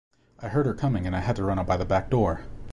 I heard her coming and I had to run out by the back door!